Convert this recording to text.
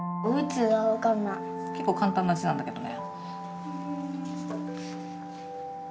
結構簡単な字なんだけどね。